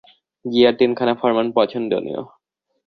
জিয়ার তিনখানা ফরমান পছন্দনীয়।